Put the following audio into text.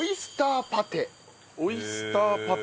オイスターパテ。